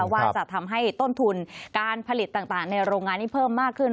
ว่าจะทำให้ต้นทุนการผลิตต่างในโรงงานนี้เพิ่มมากขึ้น